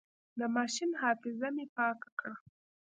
د ماشين حافظه مې پاکه کړه.